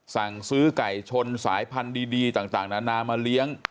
สั่งซื้อไก่ชนสายพันธุ์ดีต่างนานามาเลี้ยง